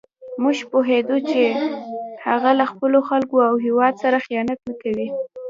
موږ پوهېدو چې هغه له خپلو خلکو او هېواد سره خیانت کوي.